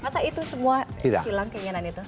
masa itu semua hilang keinginan itu